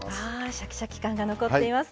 シャキシャキ感が残っています。